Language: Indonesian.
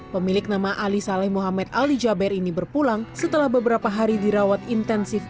pemilik nama ali saleh muhammad ali jaber ini berpulang setelah beberapa hari dirawat intensif